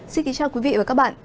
xin kính chào quý vị và các bạn